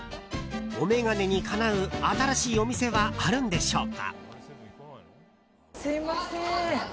お眼鏡にかなう新しいお店はあるんでしょうか。